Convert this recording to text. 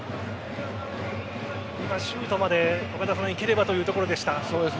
今、シュートまでいければというところでした。